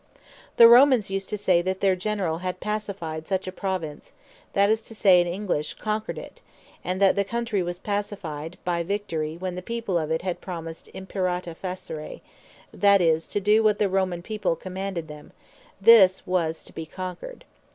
The Romanes used to say, that their Generall had Pacified such a Province, that is to say, in English, Conquered it; and that the Countrey was Pacified by Victory, when the people of it had promised Imperata Facere, that is, To Doe What The Romane People Commanded Them: this was to be Conquered.